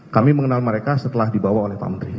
kami mengenal mereka setelah dibawa oleh pak menteri